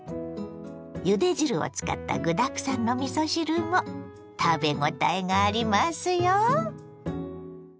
ゆで汁を使った具だくさんのみそ汁も食べごたえがありますよ。